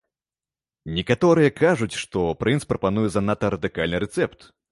Некаторыя кажуць, што прынц прапануе занадта радыкальны рэцэпт.